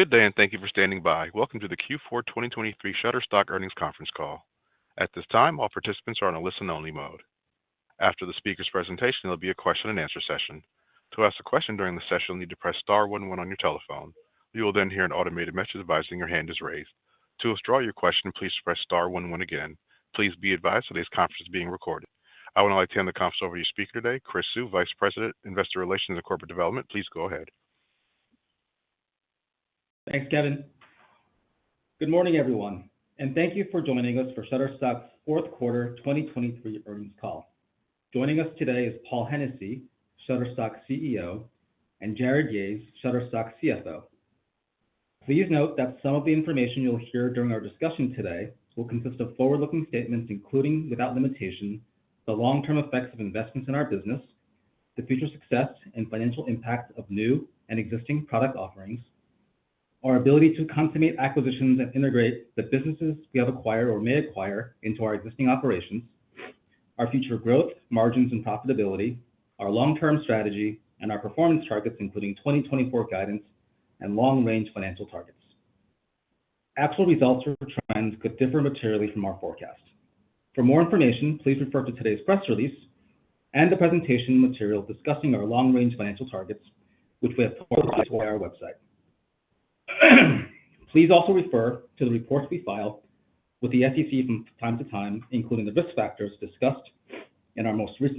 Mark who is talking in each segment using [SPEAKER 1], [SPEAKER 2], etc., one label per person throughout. [SPEAKER 1] Good day, and thank you for standing by. Welcome to the Q4 2023 Shutterstock Earnings Conference Call. At this time, all participants are on a listen-only mode. After the speaker's presentation, there'll be a question-and-answer session. To ask a question during the session, you need to press star one one on your telephone. You will then hear an automated message advising your hand is raised. To withdraw your question, please press star one one again. Please be advised today's conference is being recorded. I would now like to hand the conference over to your speaker today, Chris Suh, Vice President, Investor Relations and Corporate Development. Please go ahead.
[SPEAKER 2] Thanks, Kevin. Good morning, everyone, and thank you for joining us for Shutterstock's fourth quarter 2023 earnings call. Joining us today is Paul Hennessy, Shutterstock CEO, and Jarrod Yahes, Shutterstock CFO. Please note that some of the information you'll hear during our discussion today will consist of forward-looking statements including, without limitation, the long-term effects of investments in our business, the future success and financial impact of new and existing product offerings, our ability to consummate acquisitions and integrate the businesses we have acquired or may acquire into our existing operations, our future growth, margins, and profitability, our long-term strategy, and our performance targets including 2024 guidance and long-range financial targets. Actual results or trends could differ materially from our forecast. For more information, please refer to today's press release and the presentation material discussing our long-range financial targets, which we have publicized on our website. Please also refer to the reports we file with the SEC from time to time, including the risk factors discussed in our most recent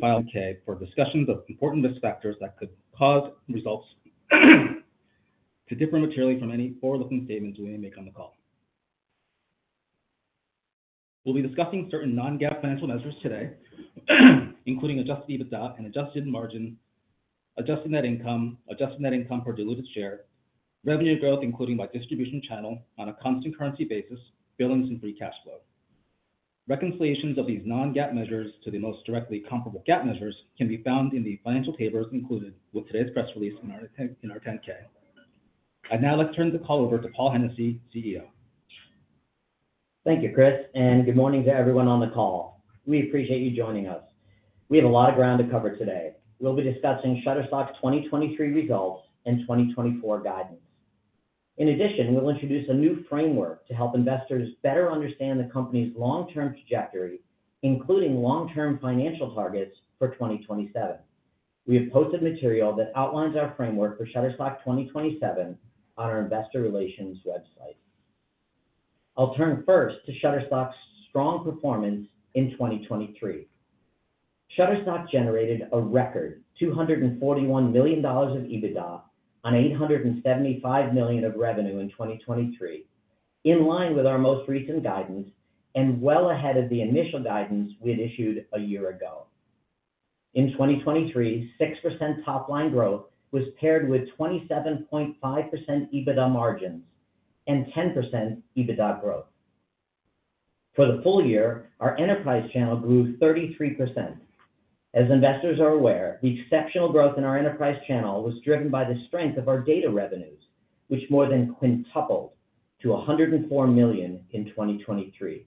[SPEAKER 2] filing for discussions of important risk factors that could cause results to differ materially from any forward-looking statements we may make on the call. We'll be discussing certain Non-GAAP financial measures today, including adjusted EBITDA and adjusted margin, adjusted net income, adjusted net income per diluted share, revenue growth including by distribution channel on a constant currency basis, billings, and free cash flow. Reconciliations of these Non-GAAP measures to the most directly comparable GAAP measures can be found in the financial tables included with today's press release in our 10-K. Now let's turn the call over to Paul Hennessy, CEO.
[SPEAKER 3] Thank you, Chris, and good morning to everyone on the call. We appreciate you joining us. We have a lot of ground to cover today. We'll be discussing Shutterstock's 2023 results and 2024 guidance. In addition, we'll introduce a new framework to help investors better understand the company's long-term trajectory, including long-term financial targets for 2027. We have posted material that outlines our framework for Shutterstock 2027 on our Investor Relations website. I'll turn first to Shutterstock's strong performance in 2023. Shutterstock generated a record $241 million of EBITDA on $875 million of revenue in 2023, in line with our most recent guidance and well ahead of the initial guidance we had issued a year ago. In 2023, 6% top-line growth was paired with 27.5% EBITDA margins and 10% EBITDA growth. For the full year, our enterprise channel grew 33%. As investors are aware, the exceptional growth in our enterprise channel was driven by the strength of our data revenues, which more than quintupled to $104 million in 2023.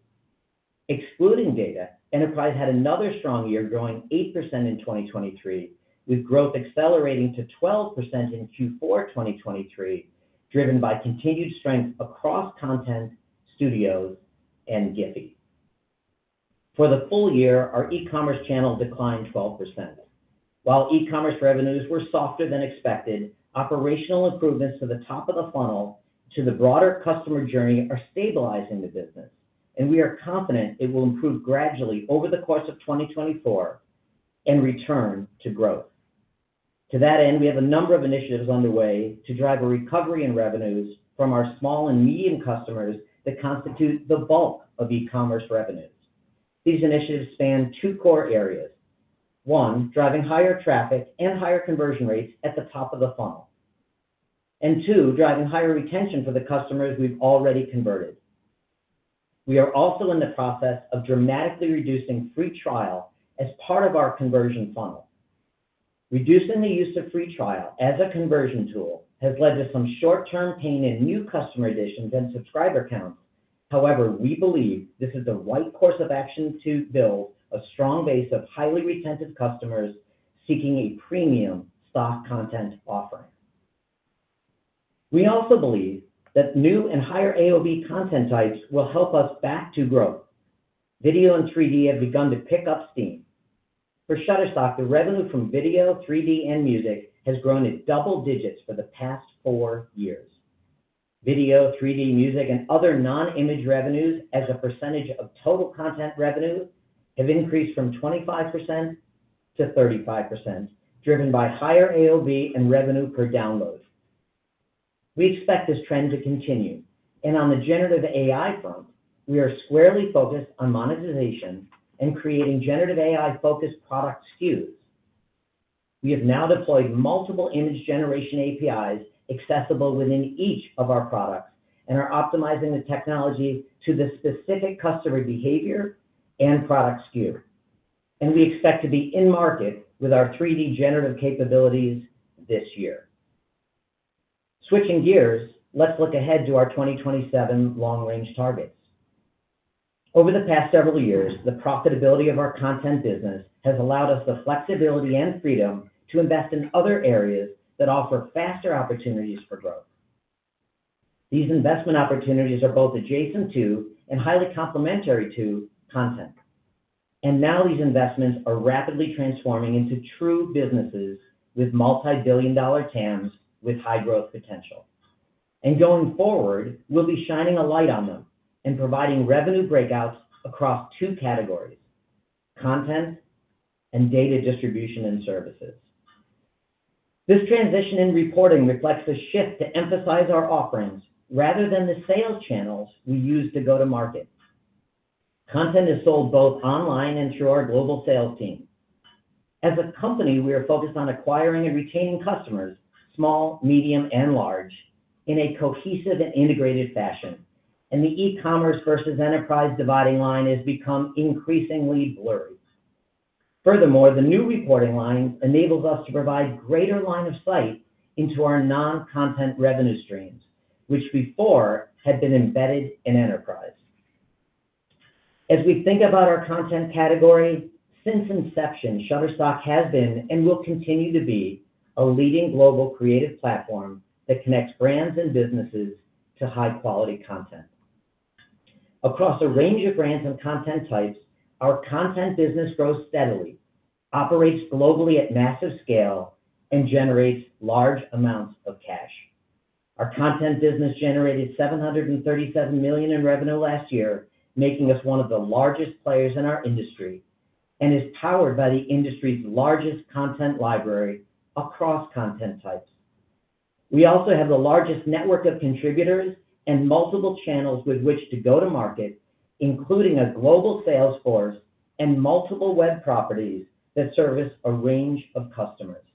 [SPEAKER 3] Excluding data, enterprise had another strong year growing 8% in 2023, with growth accelerating to 12% in Q4 2023, driven by continued strength across content, studios, and GIPHY. For the full year, our e-commerce channel declined 12%. While e-commerce revenues were softer than expected, operational improvements to the top of the funnel to the broader customer journey are stabilizing the business, and we are confident it will improve gradually over the course of 2024 and return to growth. To that end, we have a number of initiatives underway to drive a recovery in revenues from our small and medium customers that constitute the bulk of e-commerce revenues. These initiatives span two core areas: one, driving higher traffic and higher conversion rates at the top of the funnel, and two, driving higher retention for the customers we've already converted. We are also in the process of dramatically reducing free trial as part of our conversion funnel. Reducing the use of free trial as a conversion tool has led to some short-term pain in new customer additions and subscriber counts. However, we believe this is the right course of action to build a strong base of highly retentive customers seeking a premium stock content offering. We also believe that new and higher AOV content types will help us back to growth. Video and 3D have begun to pick up steam. For Shutterstock, the revenue from video, 3D, and music has grown to double digits for the past four years. Video, 3D, music, and other non-image revenues as a percentage of total content revenue have increased from 25%-35%, driven by higher AOV and revenue per download. We expect this trend to continue. On the generative AI front, we are squarely focused on monetization and creating generative AI-focused product SKUs. We have now deployed multiple image generation APIs accessible within each of our products and are optimizing the technology to the specific customer behavior and product SKU. We expect to be in market with our 3D generative capabilities this year. Switching gears, let's look ahead to our 2027 long-range targets. Over the past several years, the profitability of our content business has allowed us the flexibility and freedom to invest in other areas that offer faster opportunities for growth. These investment opportunities are both adjacent to and highly complementary to content. Now these investments are rapidly transforming into true businesses with multi-billion dollar TAMs with high growth potential. Going forward, we'll be shining a light on them and providing revenue breakouts across two categories: content and data distribution and services. This transition in reporting reflects a shift to emphasize our offerings rather than the sales channels we use to go to market. Content is sold both online and through our global sales team. As a company, we are focused on acquiring and retaining customers, small, medium, and large, in a cohesive and integrated fashion. The e-commerce versus enterprise dividing line has become increasingly blurry. Furthermore, the new reporting line enables us to provide greater line of sight into our non-content revenue streams, which before had been embedded in enterprise. As we think about our content category, since inception, Shutterstock has been and will continue to be a leading global creative platform that connects brands and businesses to high-quality content. Across a range of brands and content types, our content business grows steadily, operates globally at massive scale, and generates large amounts of cash. Our content business generated $737 million in revenue last year, making us one of the largest players in our industry, and is powered by the industry's largest content library across content types. We also have the largest network of contributors and multiple channels with which to go to market, including a global sales force and multiple web properties that service a range of customers.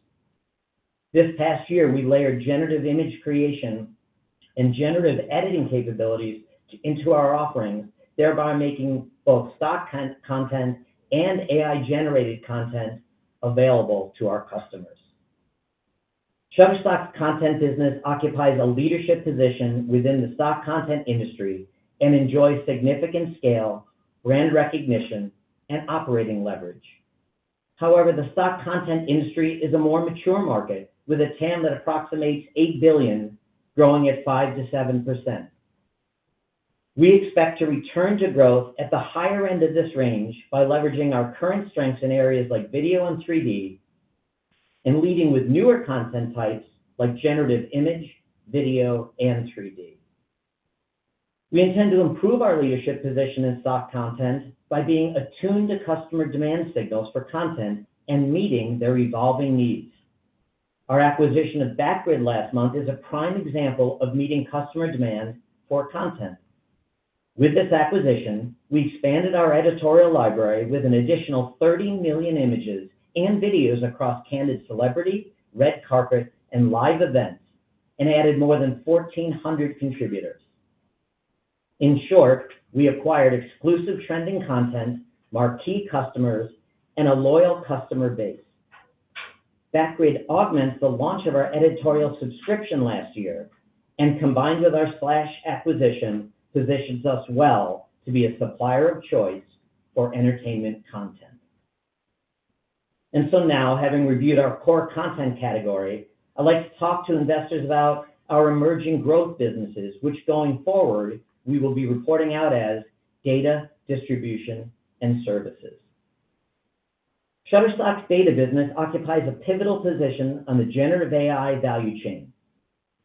[SPEAKER 3] This past year, we layered generative image creation and generative editing capabilities into our offerings, thereby making both stock content and AI-generated content available to our customers. Shutterstock's content business occupies a leadership position within the stock content industry and enjoys significant scale, brand recognition, and operating leverage. However, the stock content industry is a more mature market with a TAM that approximates $8 billion, growing at 5%-7%. We expect to return to growth at the higher end of this range by leveraging our current strengths in areas like video and 3D and leading with newer content types like generative image, video, and 3D. We intend to improve our leadership position in stock content by being attuned to customer demand signals for content and meeting their evolving needs. Our acquisition of Backgrid last month is a prime example of meeting customer demand for content. With this acquisition, we expanded our editorial library with an additional 30 million images and videos across candid celebrity, red carpet, and live events, and added more than 1,400 contributors. In short, we acquired exclusive trending content, marquee customers, and a loyal customer base. Backgrid augments the launch of our editorial subscription last year and, combined with our Splash acquisition, positions us well to be a supplier of choice for entertainment content. So now, having reviewed our core content category, I'd like to talk to investors about our emerging growth businesses, which going forward we will be reporting out as data, distribution, and services. Shutterstock's data business occupies a pivotal position on the generative AI value chain.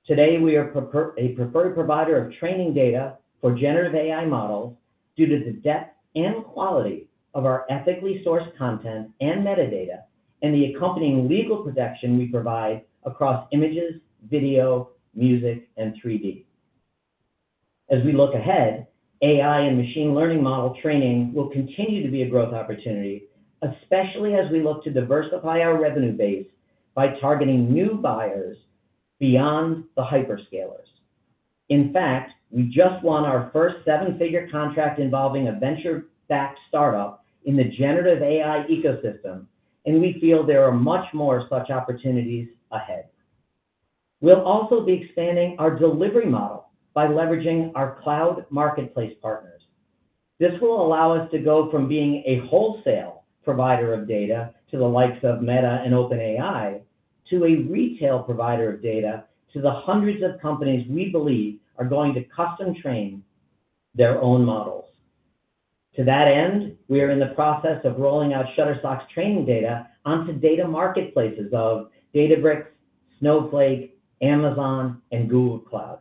[SPEAKER 3] Today, we are a preferred provider of training data for generative AI models due to the depth and quality of our ethically sourced content and metadata and the accompanying legal protection we provide across images, video, music, and 3D. As we look ahead, AI and machine learning model training will continue to be a growth opportunity, especially as we look to diversify our revenue base by targeting new buyers beyond the hyperscalers. In fact, we just won our first seven-figure contract involving a venture-backed startup in the generative AI ecosystem, and we feel there are much more such opportunities ahead. We'll also be expanding our delivery model by leveraging our cloud marketplace partners. This will allow us to go from being a wholesale provider of data to the likes of Meta and OpenAI, to a retail provider of data to the hundreds of companies we believe are going to custom train their own models. To that end, we are in the process of rolling out Shutterstock's training data onto data marketplaces of Databricks, Snowflake, Amazon, and Google Cloud.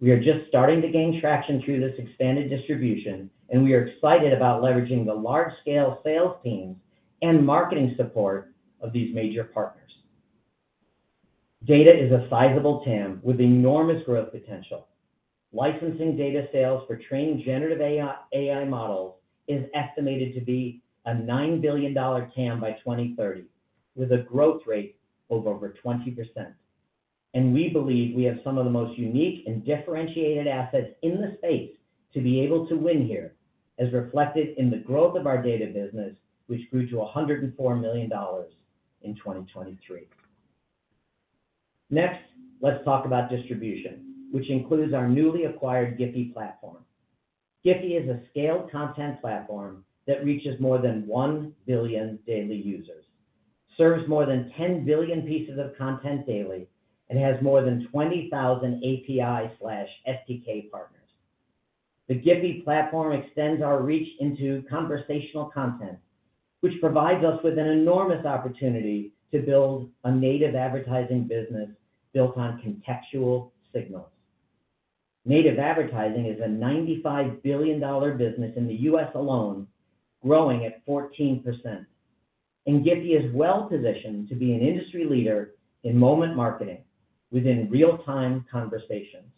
[SPEAKER 3] We are just starting to gain traction through this expanded distribution, and we are excited about leveraging the large-scale sales teams and marketing support of these major partners. Data is a sizable TAM with enormous growth potential. Licensing data sales for training generative AI models is estimated to be a $9 billion TAM by 2030, with a growth rate of over 20%. We believe we have some of the most unique and differentiated assets in the space to be able to win here, as reflected in the growth of our data business, which grew to $104 million in 2023. Next, let's talk about distribution, which includes our newly acquired GIPHY platform. GIPHY is a scaled content platform that reaches more than 1 billion daily users, serves more than 10 billion pieces of content daily, and has more than 20,000 API/SDK partners. The GIPHY platform extends our reach into conversational content, which provides us with an enormous opportunity to build a native advertising business built on contextual signals. Native advertising is a $95 billion business in the U.S. alone, growing at 14%. GIPHY is well positioned to be an industry leader in moment marketing within real-time conversations.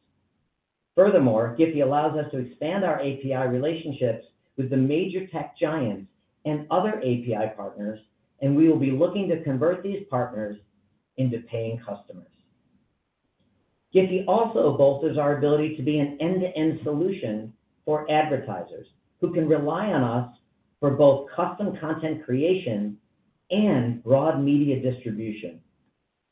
[SPEAKER 3] Furthermore, GIPHY allows us to expand our API relationships with the major tech giants and other API partners, and we will be looking to convert these partners into paying customers. GIPHY also bolsters our ability to be an end-to-end solution for advertisers, who can rely on us for both custom content creation and broad media distribution.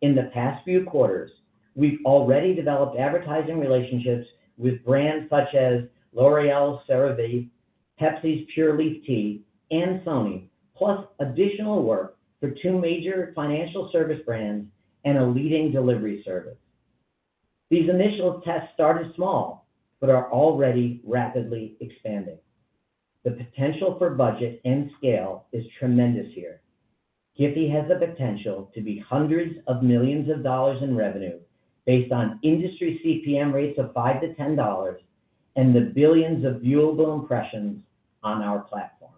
[SPEAKER 3] In the past few quarters, we've already developed advertising relationships with brands such as L'Oréal, CeraVe, Pepsi's Pure Leaf Tea, and Sony, plus additional work for two major financial service brands and a leading delivery service. These initial tests started small but are already rapidly expanding. The potential for budget and scale is tremendous here. GIPHY has the potential to be $hundreds of millions in revenue based on industry CPM rates of $5-$10 and the billions of viewable impressions on our platform.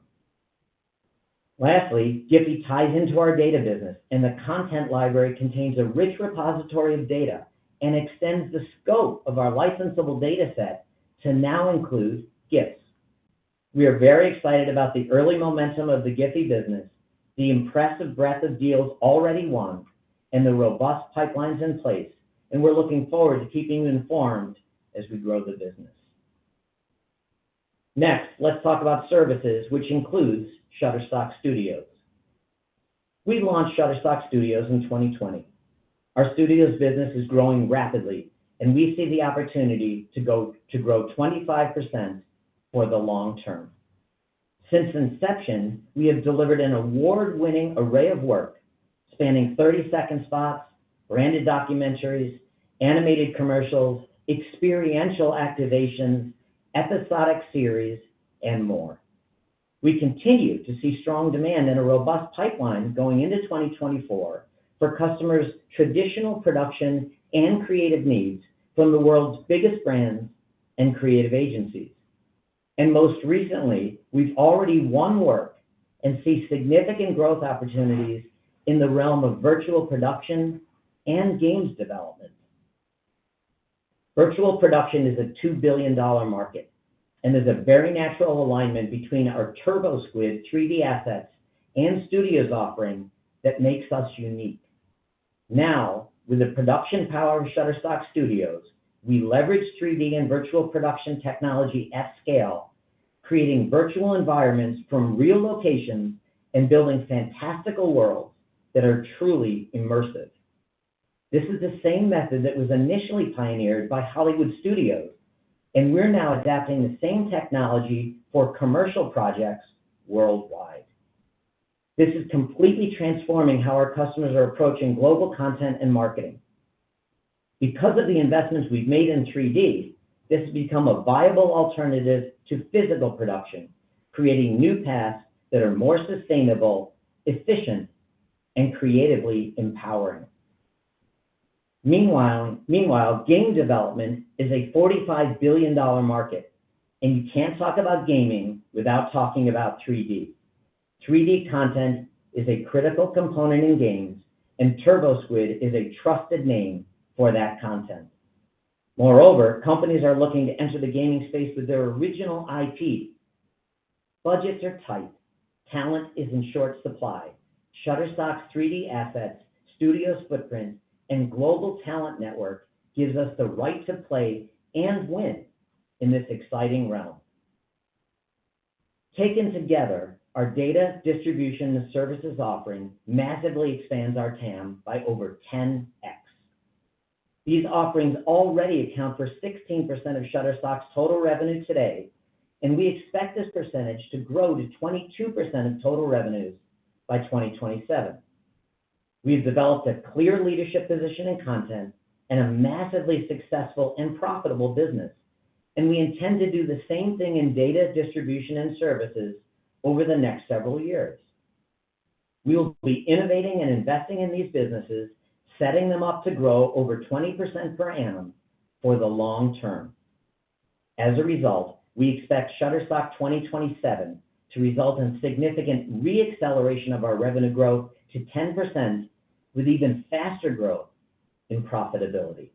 [SPEAKER 3] Lastly, GIPHY ties into our data business, and the content library contains a rich repository of data and extends the scope of our licensable data set to now include GIFs. We are very excited about the early momentum of the GIPHY business, the impressive breadth of deals already won, and the robust pipelines in place. We're looking forward to keeping you informed as we grow the business. Next, let's talk about services, which includes Shutterstock Studios. We launched Shutterstock Studios in 2020. Our studios business is growing rapidly, and we see the opportunity to grow 25% for the long term. Since inception, we have delivered an award-winning array of work spanning 30-second spots, branded documentaries, animated commercials, experiential activations, episodic series, and more. We continue to see strong demand and a robust pipeline going into 2024 for customers' traditional production and creative needs from the world's biggest brands and creative agencies. Most recently, we've already won work and see significant growth opportunities in the realm of virtual production and games development. Virtual production is a $2 billion market and is a very natural alignment between our TurboSquid 3D assets and Studios' offering that makes us unique. Now, with the production power of Shutterstock Studios, we leverage 3D and virtual production technology at scale, creating virtual environments from real locations and building fantastical worlds that are truly immersive. This is the same method that was initially pioneered by Hollywood Studios, and we're now adapting the same technology for commercial projects worldwide. This is completely transforming how our customers are approaching global content and marketing. Because of the investments we've made in 3D, this has become a viable alternative to physical production, creating new paths that are more sustainable, efficient, and creatively empowering. Meanwhile, game development is a $45 billion market, and you can't talk about gaming without talking about 3D. 3D content is a critical component in games, and TurboSquid is a trusted name for that content. Moreover, companies are looking to enter the gaming space with their original IP. Budgets are tight. Talent is in short supply. Shutterstock's 3D assets, Studios' footprint, and global talent network give us the right to play and win in this exciting realm. Taken together, our data, distribution, and services offering massively expands our TAM by over 10x. These offerings already account for 16% of Shutterstock's total revenue today, and we expect this percentage to grow to 22% of total revenues by 2027. We've developed a clear leadership position in content and a massively successful and profitable business, and we intend to do the same thing in data, distribution, and services over the next several years. We will be innovating and investing in these businesses, setting them up to grow over 20% per annum for the long term. As a result, we expect Shutterstock 2027 to result in significant re-acceleration of our revenue growth to 10%, with even faster growth in profitability.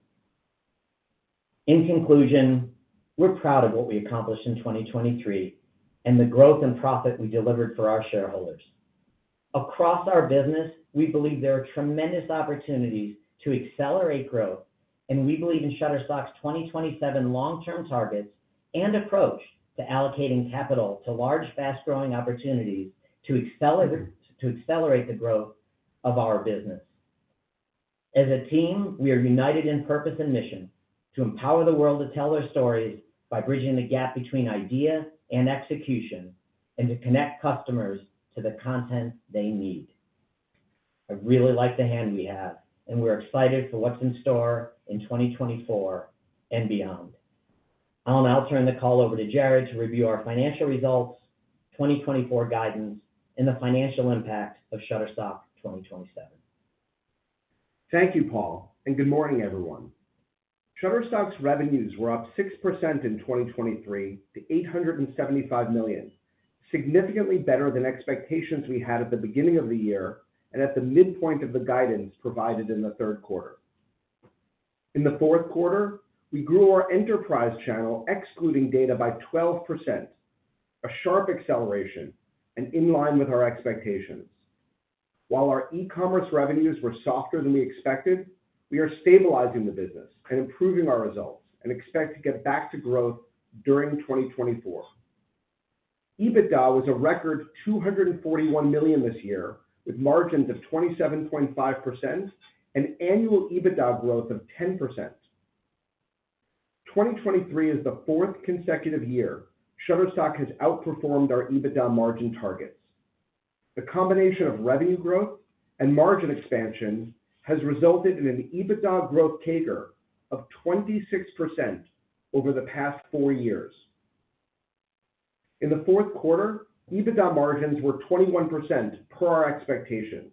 [SPEAKER 3] In conclusion, we're proud of what we accomplished in 2023 and the growth and profit we delivered for our shareholders. Across our business, we believe there are tremendous opportunities to accelerate growth, and we believe in Shutterstock's 2027 long-term targets and approach to allocating capital to large, fast-growing opportunities to accelerate the growth of our business. As a team, we are united in purpose and mission to empower the world to tell their stories by bridging the gap between idea and execution and to connect customers to the content they need. I really like the hand we have, and we're excited for what's in store in 2024 and beyond. And, I'll turn the call over to Jarrod to review our financial results, 2024 guidance, and the financial impact of Shutterstock 2027.
[SPEAKER 4] Thank you, Paul, and good morning, everyone. Shutterstock's revenues were up 6% in 2023 to $875 million, significantly better than expectations we had at the beginning of the year and at the midpoint of the guidance provided in the third quarter. In the fourth quarter, we grew our enterprise channel excluding data by 12%, a sharp acceleration, and in line with our expectations. While our e-commerce revenues were softer than we expected, we are stabilizing the business and improving our results and expect to get back to growth during 2024. EBITDA was a record $241 million this year, with margins of 27.5% and annual EBITDA growth of 10%. 2023 is the fourth consecutive year Shutterstock has outperformed our EBITDA margin targets. The combination of revenue growth and margin expansion has resulted in an EBITDA growth CAGR of 26% over the past four years. In the fourth quarter, EBITDA margins were 21% per our expectations.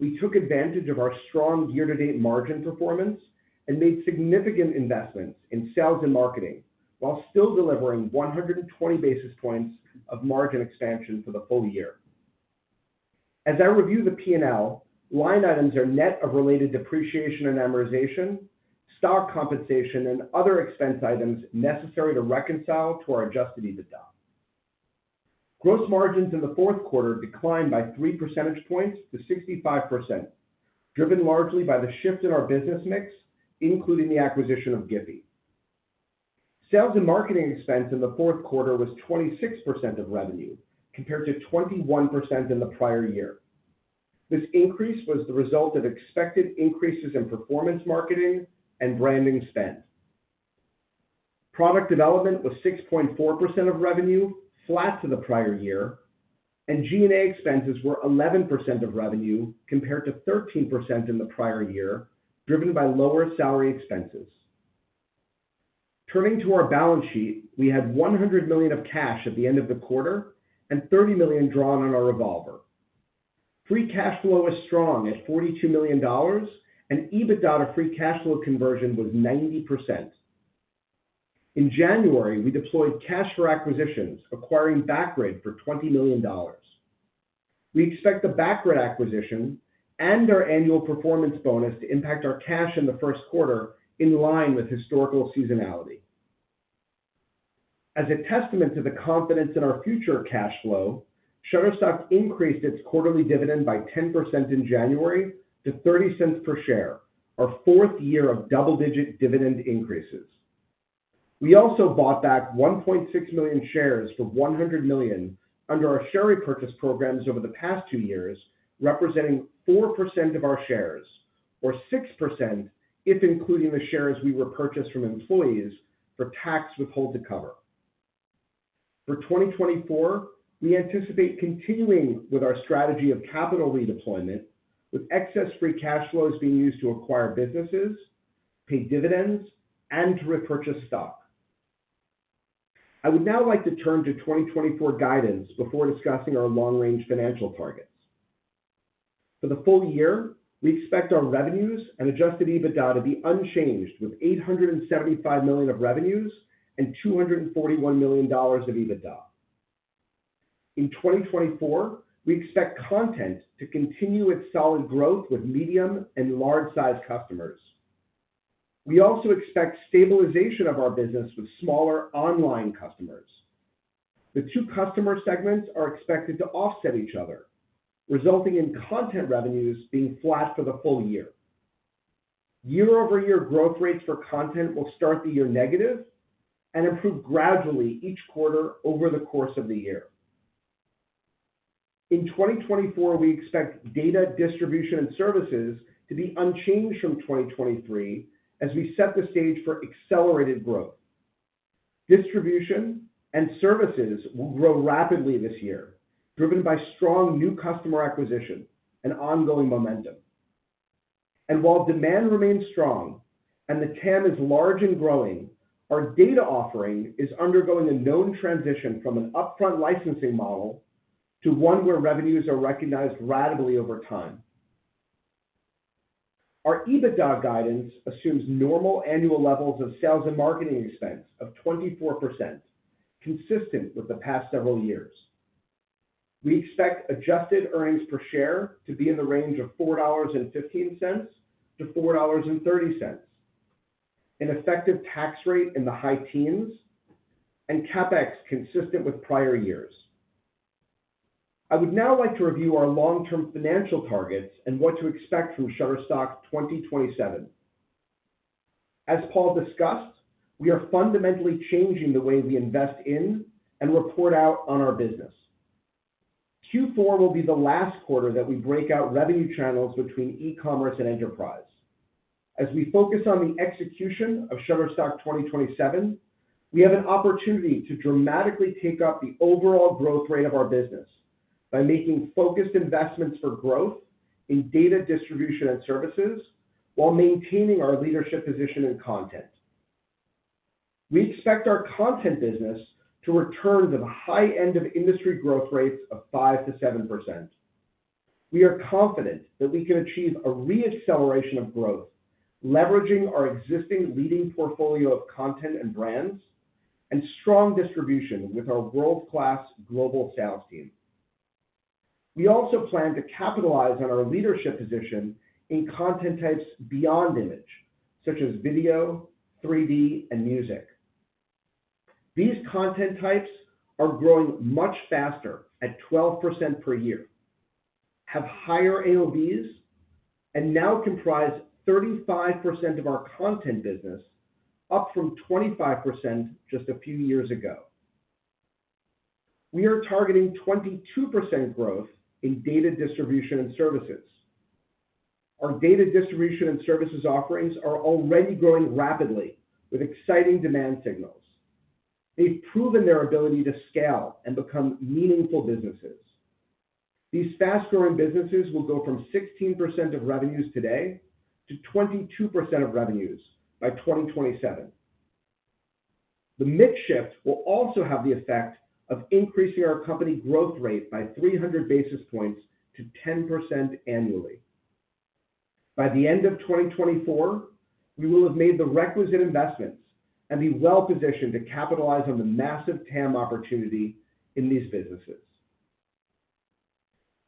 [SPEAKER 4] We took advantage of our strong year-to-date margin performance and made significant investments in sales and marketing while still delivering 120 basis points of margin expansion for the full year. As I review the P&L, line items are net of related depreciation and amortization, stock compensation, and other expense items necessary to reconcile to our adjusted EBITDA. Gross margins in the fourth quarter declined by 3 percentage points to 65%, driven largely by the shift in our business mix, including the acquisition of GIPHY. Sales and marketing expense in the fourth quarter was 26% of revenue compared to 21% in the prior year. This increase was the result of expected increases in performance marketing and branding spend. Product development was 6.4% of revenue, flat to the prior year, and G&A expenses were 11% of revenue compared to 13% in the prior year, driven by lower salary expenses. Turning to our balance sheet, we had $100 million of cash at the end of the quarter and $30 million drawn on our revolver. Free cash flow was strong at $42 million, and EBITDA to free cash flow conversion was 90%. In January, we deployed cash for acquisitions, acquiring Backgrid for $20 million. We expect the Backgrid acquisition and our annual performance bonus to impact our cash in the first quarter in line with historical seasonality. As a testament to the confidence in our future cash flow, Shutterstock increased its quarterly dividend by 10% in January to $0.30 per share, our fourth year of double-digit dividend increases. We also bought back 1.6 million shares for $100 million under our share repurchase programs over the past two years, representing 4% of our shares or 6% if including the shares we repurchased from employees for tax withholding to cover. For 2024, we anticipate continuing with our strategy of capital redeployment, with excess free cash flows being used to acquire businesses, pay dividends, and repurchase stock. I would now like to turn to 2024 guidance before discussing our long-range financial targets. For the full year, we expect our revenues and Adjusted EBITDA to be unchanged, with $875 million of revenues and $241 million of EBITDA. In 2024, we expect content to continue its solid growth with medium and large-sized customers. We also expect stabilization of our business with smaller online customers. The two customer segments are expected to offset each other, resulting in content revenues being flat for the full year. Year-over-year growth rates for content will start the year negative and improve gradually each quarter over the course of the year. In 2024, we expect data, distribution, and services to be unchanged from 2023 as we set the stage for accelerated growth. Distribution and services will grow rapidly this year, driven by strong new customer acquisition and ongoing momentum. While demand remains strong and the TAM is large and growing, our data offering is undergoing a known transition from an upfront licensing model to one where revenues are recognized ratably over time. Our EBITDA guidance assumes normal annual levels of sales and marketing expense of 24%, consistent with the past several years. We expect adjusted earnings per share to be in the range of $4.15-$4.30, an effective tax rate in the high teens, and CapEx consistent with prior years. I would now like to review our long-term financial targets and what to expect from Shutterstock 2027. As Paul discussed, we are fundamentally changing the way we invest in and report out on our business. Q4 will be the last quarter that we break out revenue channels between e-commerce and enterprise. As we focus on the execution of Shutterstock 2027, we have an opportunity to dramatically take up the overall growth rate of our business by making focused investments for growth in data, distribution, and services while maintaining our leadership position in content. We expect our content business to return to the high-end of industry growth rates of 5%-7%. We are confident that we can achieve a re-acceleration of growth, leveraging our existing leading portfolio of content and brands and strong distribution with our world-class global sales team. We also plan to capitalize on our leadership position in content types beyond image, such as video, 3D, and music. These content types are growing much faster at 12% per year, have higher AOVs, and now comprise 35% of our content business, up from 25% just a few years ago. We are targeting 22% growth in data, distribution, and services. Our data, distribution, and services offerings are already growing rapidly with exciting demand signals. They've proven their ability to scale and become meaningful businesses. These fast-growing businesses will go from 16% of revenues today to 22% of revenues by 2027. The mix-shift will also have the effect of increasing our company growth rate by 300 basis points to 10% annually. By the end of 2024, we will have made the requisite investments and be well-positioned to capitalize on the massive TAM opportunity in these businesses.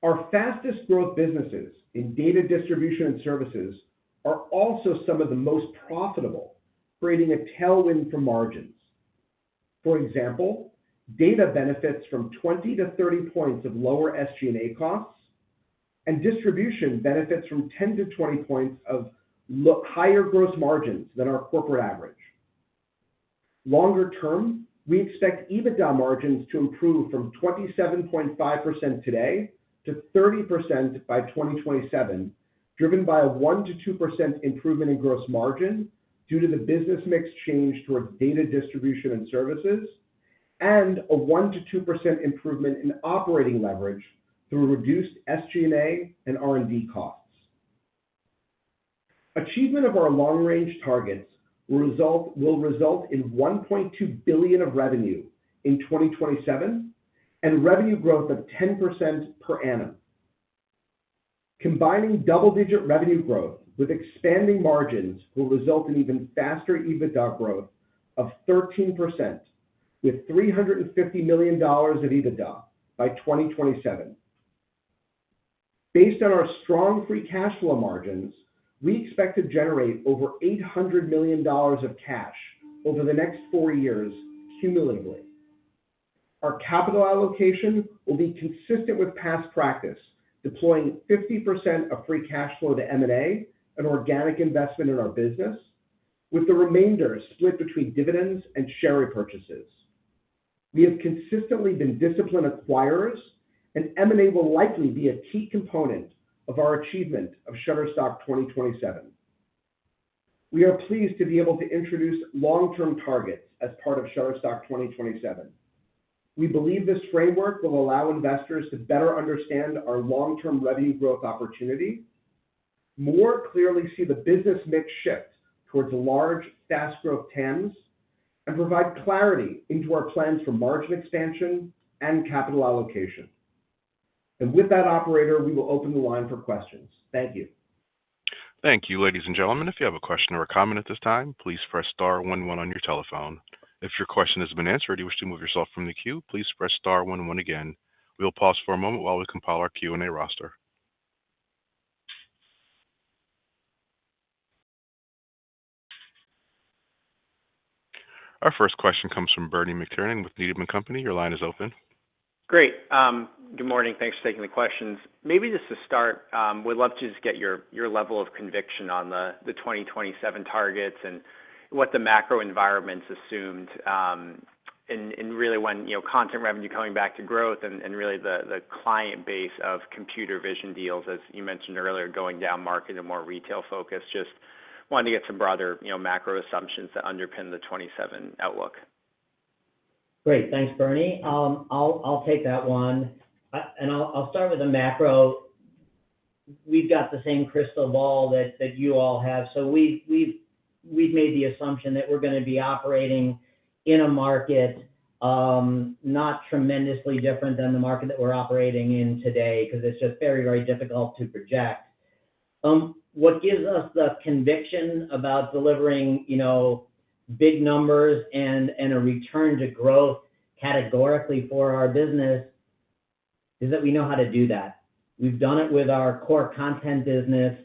[SPEAKER 4] Our fastest-growth businesses in data, distribution, and services are also some of the most profitable, creating a tailwind for margins. For example, data benefits from 20 points-30 points of lower SG&A costs, and distribution benefits from 10 points-20 points of higher gross margins than our corporate average. Longer term, we expect EBITDA margins to improve from 27.5% today to 30% by 2027, driven by a 1%-2% improvement in gross margin due to the business mix change towards data, distribution, and services, and a 1%-2% improvement in operating leverage through reduced SG&A and R&D costs. Achievement of our long-range targets will result in $1.2 billion of revenue in 2027 and revenue growth of 10% per annum. Combining double-digit revenue growth with expanding margins will result in even faster EBITDA growth of 13%, with $350 million of EBITDA by 2027. Based on our strong free cash flow margins, we expect to generate over $800 million of cash over the next four years cumulatively. Our capital allocation will be consistent with past practice, deploying 50% of free cash flow to M&A, an organic investment in our business, with the remainder split between dividends and share repurchases. We have consistently been disciplined acquirers, and M&A will likely be a key component of our achievement of Shutterstock 2027. We are pleased to be able to introduce long-term targets as part of Shutterstock 2027. We believe this framework will allow investors to better understand our long-term revenue growth opportunity, more clearly see the business mix shift towards large, fast-growth TAMs, and provide clarity into our plans for margin expansion and capital allocation. With that, operator, we will open the line for questions. Thank you.
[SPEAKER 1] Thank you. Ladies and gentlemen, if you have a question or a comment at this time, please press star one one on your telephone. If your question has been answered or you wish to move yourself from the queue, please press star one one again. We will pause for a moment while we compile our Q&A roster. Our first question comes from Bernie McTernan with Needham & Company. Your line is open.
[SPEAKER 5] Great. Good morning. Thanks for taking the questions. Maybe just to start, we'd love to just get your level of conviction on the 2027 targets and what the macro environment's assumed. And really, when content revenue coming back to growth and really the client base of computer vision deals, as you mentioned earlier, going down market and more retail-focused, just wanting to get some broader macro assumptions that underpin the 2027 outlook?
[SPEAKER 3] Great. Thanks, Bernie. I'll take that one. And I'll start with the macro. We've got the same crystal ball that you all have. So we've made the assumption that we're going to be operating in a market not tremendously different than the market that we're operating in today because it's just very, very difficult to project. What gives us the conviction about delivering big numbers and a return to growth categorically for our business is that we know how to do that. We've done it with our core content business.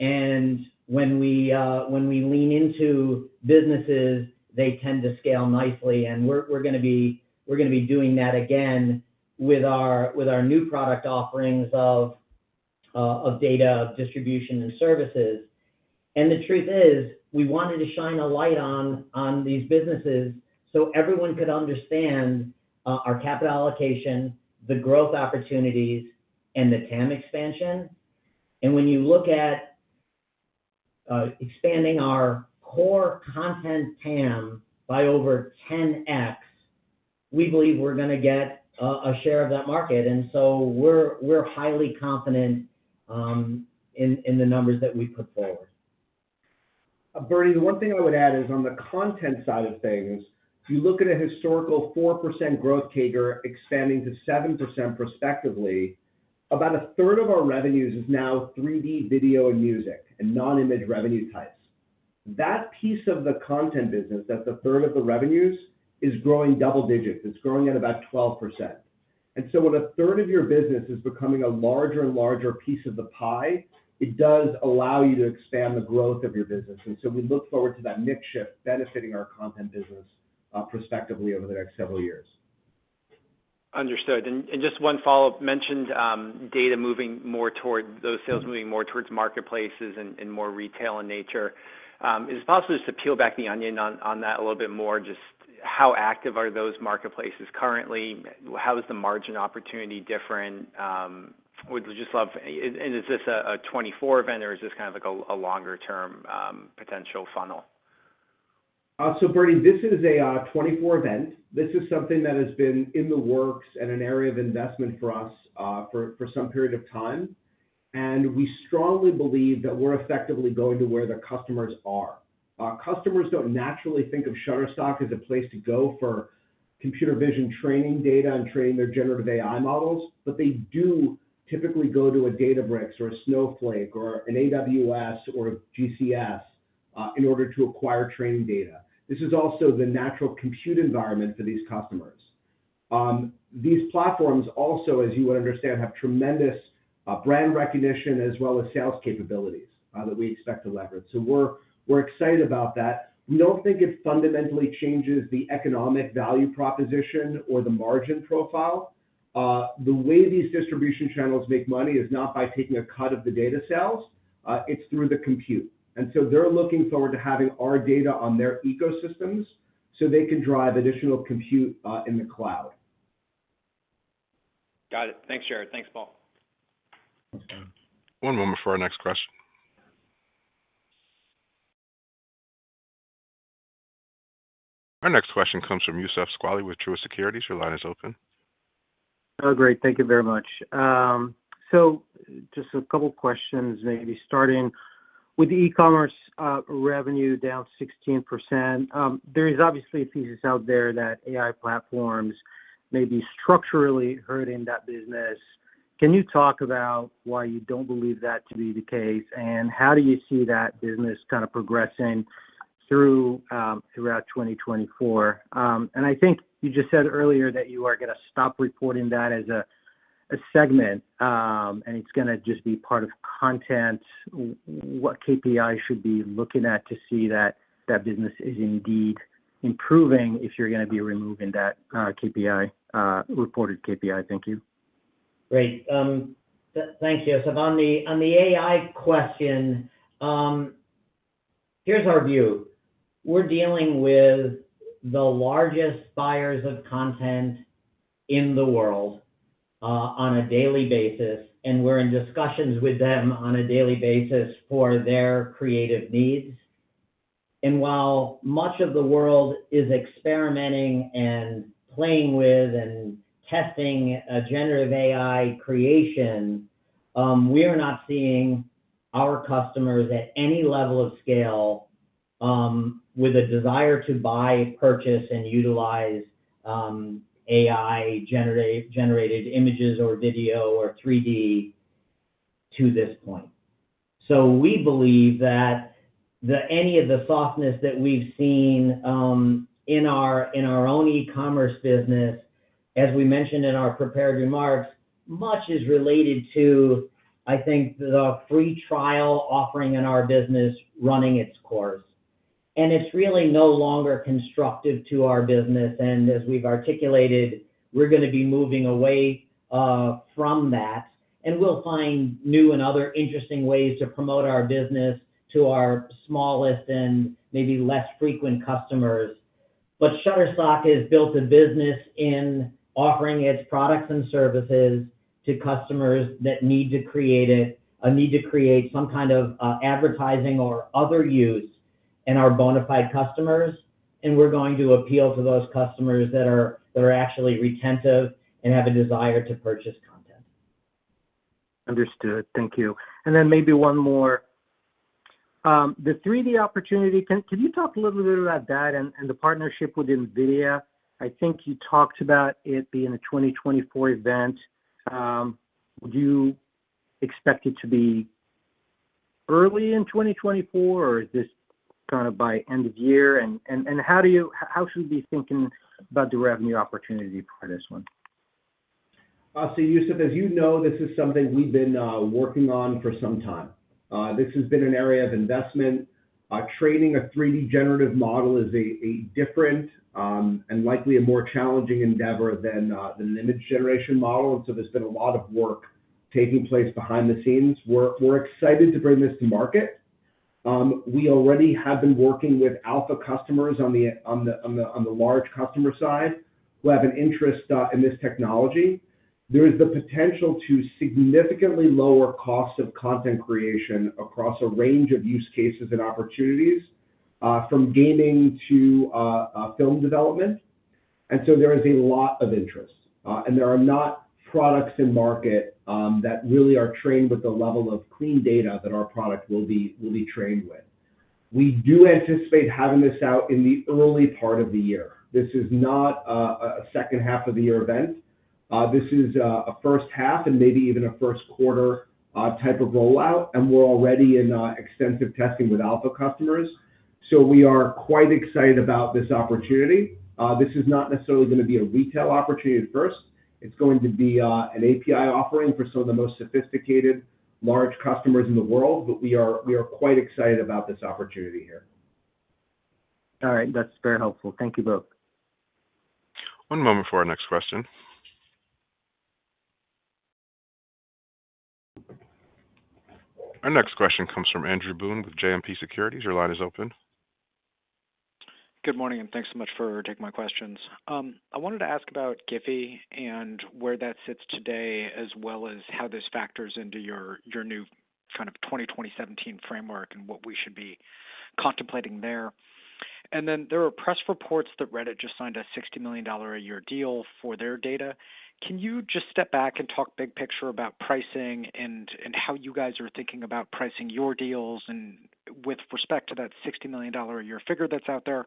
[SPEAKER 3] And when we lean into businesses, they tend to scale nicely. And we're going to be doing that again with our new product offerings of data, distribution, and services. And the truth is, we wanted to shine a light on these businesses so everyone could understand our capital allocation, the growth opportunities, and the TAM expansion. When you look at expanding our core content TAM by over 10x, we believe we're going to get a share of that market. So we're highly confident in the numbers that we put forward.
[SPEAKER 4] Bernie, the one thing I would add is on the content side of things, if you look at a historical 4% growth CAGR expanding to 7% prospectively, about a third of our revenues is now 3D, video, and music, and non-image revenue types. That piece of the content business that's a third of the revenues is growing double-digit. It's growing at about 12%. And so when a third of your business is becoming a larger and larger piece of the pie, it does allow you to expand the growth of your business. And so we look forward to that mix-shift benefiting our content business prospectively over the next several years.
[SPEAKER 5] Understood. And just one follow-up, mentioned data moving more toward those sales moving more towards marketplaces and more retail in nature. Is it possible just to peel back the onion on that a little bit more? Just how active are those marketplaces currently? How is the margin opportunity different? We'd just love and is this a 2024 event, or is this kind of a longer-term potential funnel?
[SPEAKER 4] So, Bernie, this is a 2024 event. This is something that has been in the works and an area of investment for us for some period of time. And we strongly believe that we're effectively going to where the customers are. Customers don't naturally think of Shutterstock as a place to go for computer vision training data and training their generative AI models, but they do typically go to a Databricks or a Snowflake or an AWS or a GCS in order to acquire training data. This is also the natural compute environment for these customers. These platforms also, as you would understand, have tremendous brand recognition as well as sales capabilities that we expect to leverage. So we're excited about that. We don't think it fundamentally changes the economic value proposition or the margin profile. The way these distribution channels make money is not by taking a cut of the data sales. It's through the compute. And so they're looking forward to having our data on their ecosystems so they can drive additional compute in the cloud.
[SPEAKER 5] Got it. Thanks, Jarrod. Thanks, Paul.
[SPEAKER 1] One moment for our next question. Our next question comes from Youssef Squali with Truist Securities. Your line is open.
[SPEAKER 6] Oh, great. Thank you very much. So just a couple of questions maybe, starting with the e-commerce revenue down 16%. There is obviously a thesis out there that AI platforms may be structurally hurting that business. Can you talk about why you don't believe that to be the case, and how do you see that business kind of progressing throughout 2024? And I think you just said earlier that you are going to stop reporting that as a segment, and it's going to just be part of content. What KPIs should we be looking at to see that business is indeed improving if you're going to be removing that reported KPI? Thank you.
[SPEAKER 3] Great. Thank you. So on the AI question, here's our view. We're dealing with the largest buyers of content in the world on a daily basis, and we're in discussions with them on a daily basis for their creative needs. And while much of the world is experimenting and playing with and testing generative AI creation, we are not seeing our customers at any level of scale with a desire to buy, purchase, and utilize AI-generated images or video or 3D to this point. So we believe that any of the softness that we've seen in our own e-commerce business, as we mentioned in our prepared remarks, much is related to, I think, the free trial offering in our business running its course. And it's really no longer constructive to our business. And as we've articulated, we're going to be moving away from that. We'll find new and other interesting ways to promote our business to our smallest and maybe less frequent customers. Shutterstock has built a business in offering its products and services to customers that need to create it, need to create some kind of advertising or other use in our bona fide customers. We're going to appeal to those customers that are actually retentive and have a desire to purchase content.
[SPEAKER 6] Understood. Thank you. And then maybe one more. The 3D opportunity, can you talk a little bit about that and the partnership with NVIDIA? I think you talked about it being a 2024 event. Would you expect it to be early in 2024, or is this kind of by end of year? And how should we be thinking about the revenue opportunity for this one?
[SPEAKER 4] So Youssef, as you know, this is something we've been working on for some time. This has been an area of investment. Training a 3D generative model is a different and likely a more challenging endeavor than an image generation model. And so there's been a lot of work taking place behind the scenes. We're excited to bring this to market. We already have been working with alpha customers on the large customer side who have an interest in this technology. There is the potential to significantly lower costs of content creation across a range of use cases and opportunities, from gaming to film development. And so there is a lot of interest. And there are not products in market that really are trained with the level of clean data that our product will be trained with. We do anticipate having this out in the early part of the year. This is not a second half of the year event. This is a first half and maybe even a first quarter type of rollout. We're already in extensive testing with alpha customers. We are quite excited about this opportunity. This is not necessarily going to be a retail opportunity at first. It's going to be an API offering for some of the most sophisticated large customers in the world. We are quite excited about this opportunity here.
[SPEAKER 6] All right. That's very helpful. Thank you both.
[SPEAKER 3] One moment for our next question. Our next question comes from Andrew Boone with JMP Securities. Your line is open.
[SPEAKER 7] Good morning, and thanks so much for taking my questions. I wanted to ask about GIPHY and where that sits today, as well as how this factors into your new kind of 2020- 2017 framework and what we should be contemplating there. And then there are press reports that Reddit just signed a $60 million a year deal for their data. Can you just step back and talk big picture about pricing and how you guys are thinking about pricing your deals? And with respect to that $60 million a year figure that's out there,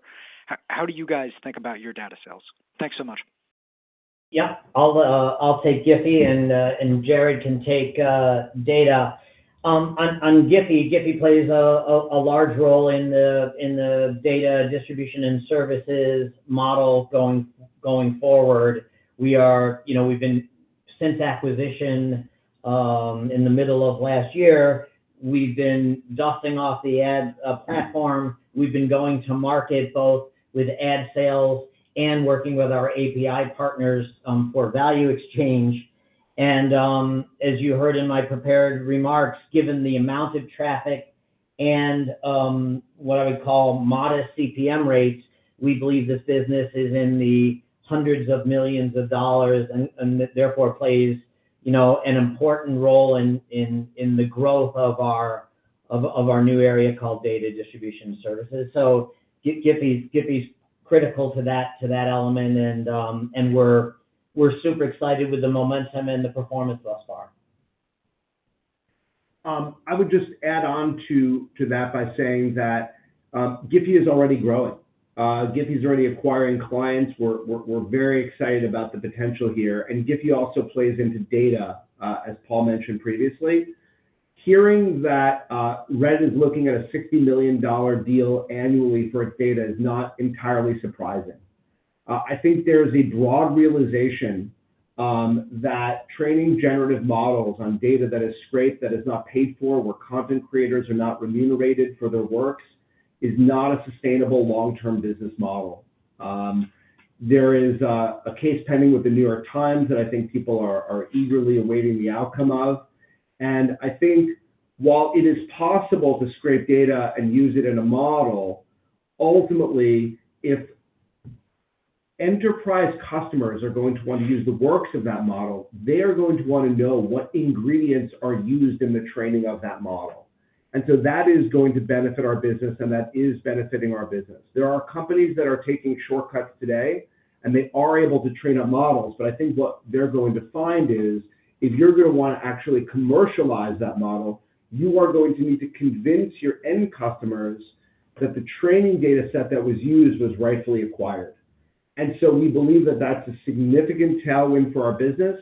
[SPEAKER 7] how do you guys think about your data sales? Thanks so much.
[SPEAKER 3] Yeah. I'll take GIPHY, and Jarrod can take data. On GIPHY, GIPHY plays a large role in the data distribution and services model going forward. We've been since acquisition in the middle of last year. We've been dusting off the ad platform. We've been going to market both with ad sales and working with our API partners for value exchange. And as you heard in my prepared remarks, given the amount of traffic and what I would call modest CPM rates, we believe this business is in the $ hundreds of millions and therefore plays an important role in the growth of our new area called data distribution services. So GIPHY's critical to that element, and we're super excited with the momentum and the performance thus far.
[SPEAKER 4] I would just add on to that by saying that GIPHY is already growing. GIPHY's already acquiring clients. We're very excited about the potential here. GIPHY also plays into data, as Paul mentioned previously. Hearing that Reddit is looking at a $60 million deal annually for its data is not entirely surprising. I think there's a broad realization that training generative models on data that is scraped, that is not paid for, where content creators are not remunerated for their works, is not a sustainable long-term business model. There is a case pending with the New York Times that I think people are eagerly awaiting the outcome of. I think while it is possible to scrape data and use it in a model, ultimately, if enterprise customers are going to want to use the works of that model, they are going to want to know what ingredients are used in the training of that model. And so that is going to benefit our business, and that is benefiting our business. There are companies that are taking shortcuts today, and they are able to train up models. But I think what they're going to find is if you're going to want to actually commercialize that model, you are going to need to convince your end customers that the training dataset that was used was rightfully acquired. And so we believe that that's a significant tailwind for our business.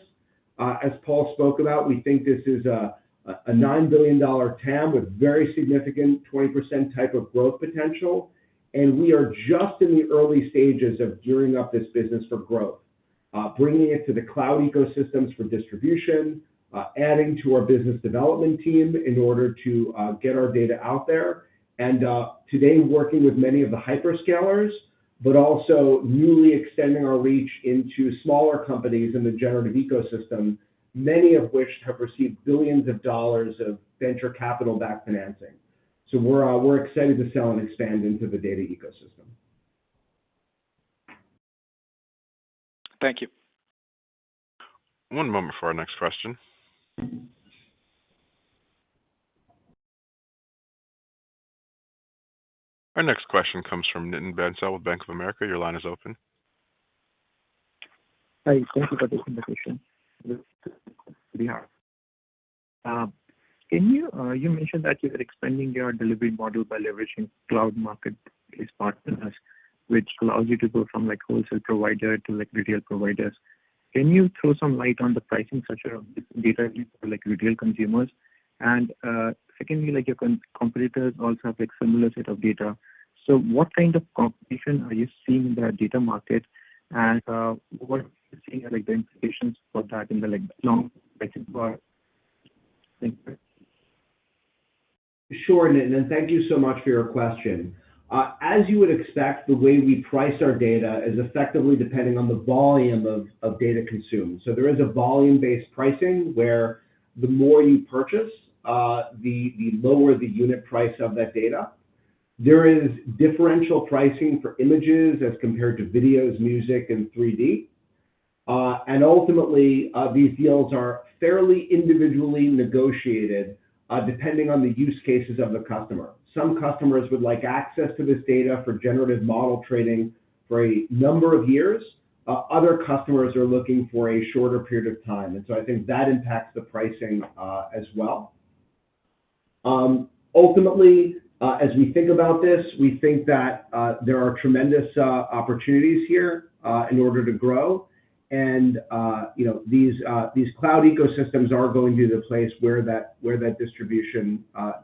[SPEAKER 4] As Paul spoke about, we think this is a $9 billion TAM with very significant 20% type of growth potential. We are just in the early stages of gearing up this business for growth, bringing it to the cloud ecosystems for distribution, adding to our business development team in order to get our data out there, and today working with many of the hyperscalers, but also newly extending our reach into smaller companies in the generative ecosystem, many of which have received $ billions of venture capital-backed financing. So we're excited to sell and expand into the data ecosystem.
[SPEAKER 7] Thank you.
[SPEAKER 1] One moment for our next question. Our next question comes from Nitin Bansal with Bank of America. Your line is open.
[SPEAKER 8] Hi. Thank you for the conversation. You mentioned that you're expanding your delivery model by leveraging cloud marketplace partners, which allows you to go from wholesale provider to retail providers. Can you throw some light on the pricing structure of this data for retail consumers? And secondly, your competitors also have a similar set of data. So what kind of competition are you seeing in the data market? And what are you seeing as the implications for that in the long range?
[SPEAKER 4] Sure, Nitin. And thank you so much for your question. As you would expect, the way we price our data is effectively depending on the volume of data consumed. So there is a volume-based pricing where the more you purchase, the lower the unit price of that data. There is differential pricing for images as compared to videos, music, and 3D. And ultimately, these deals are fairly individually negotiated depending on the use cases of the customer. Some customers would like access to this data for generative model training for a number of years. Other customers are looking for a shorter period of time. And so I think that impacts the pricing as well. Ultimately, as we think about this, we think that there are tremendous opportunities here in order to grow. And these cloud ecosystems are going to be the place where that distribution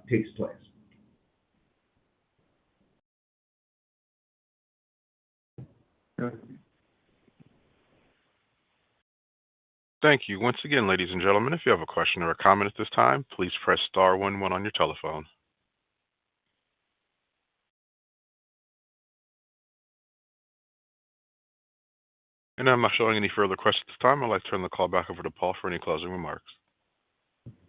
[SPEAKER 4] takes place.
[SPEAKER 1] Thank you. Once again, ladies and gentlemen, if you have a question or a comment at this time, please press star 11 on your telephone. I'm not showing any further questions at this time. I'd like to turn the call back over to Paul for any closing remarks.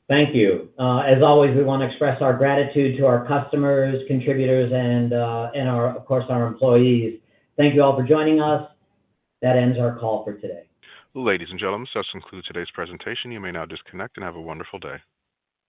[SPEAKER 3] Thank you. As always, we want to express our gratitude to our customers, contributors, and, of course, our employees. Thank you all for joining us. That ends our call for today.
[SPEAKER 1] Ladies and gentlemen, so that's concluded today's presentation. You may now disconnect and have a wonderful day.